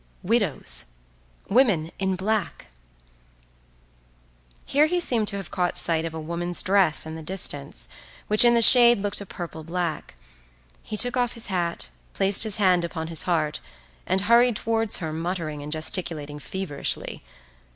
Widows! Women in black——"Here he seemed to have caught sight of a woman's dress in the distance, which in the shade looked a purple black. He took off his hat, placed his hand upon his heart, and hurried towards her muttering and gesticulating feverishly.